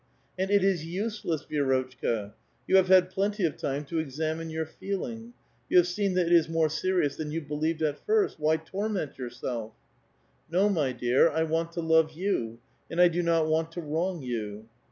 " And it is useless, Vi^rotchka; you have had plenty of time to examine your feeling : you have seen that it is more serious than you believed at first. Why torment jourself ?"" No, my dear,^ I want to love you, and I do not want to wrong you."